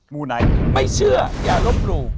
มูไนท์ไม่เชื่ออย่าลบหลู่